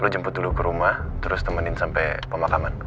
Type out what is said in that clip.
lo jemput dulu ke rumah terus temenin sampe pemakaman